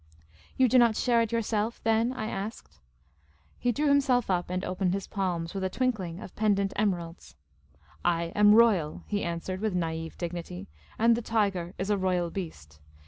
" You do not share it yourself, then ?" I asked. He drew himself up and opened his palms, with a twink ling of pendent emeralds, " I am royal," he answered, with naive dignity, " and the tiger is a royal beast.